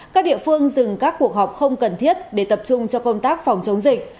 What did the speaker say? các địa phương dừng các cuộc họp không cần thiết để tập trung cho công tác phòng chống dịch